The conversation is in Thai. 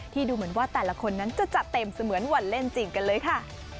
ดูเหมือนว่าแต่ละคนนั้นจะจัดเต็มเสมือนวันเล่นจริงกันเลยค่ะ